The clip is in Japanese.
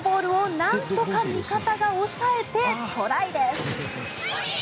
このボールをなんとか味方が抑えてトライです。